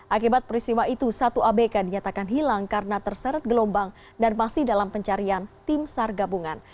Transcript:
akibat peristiwa itu satu abk dinyatakan hilang karena terseret gelombang dan masih dalam pencarian tim sar gabungan